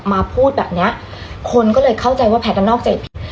พูดแบบเนี้ยคนก็เลยเข้าใจว่าแพทย์ก็นอกใจผิด